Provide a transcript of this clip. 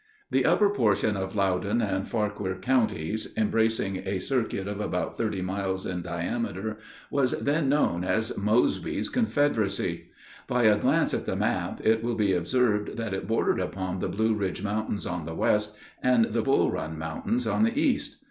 The upper portion of Loudon and Fauquier counties, embracing a circuit of about thirty miles in diameter, was then known as "Mosby's Confederacy." By a glance at the map it will be observed that it bordered upon the Blue Ridge Mountains on the west, and the Bull Run Mountains on the east.